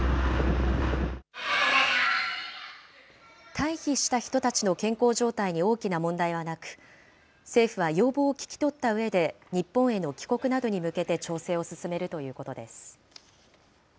退避した人たちの健康状態に大きな問題はなく、政府は要望を聞き取ったうえで、日本への帰国などに向けて調整を進めるということです。